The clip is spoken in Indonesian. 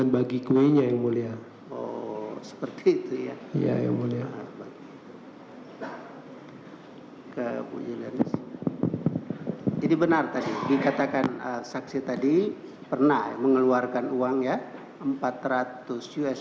tapi ada yang dengar dengar begitu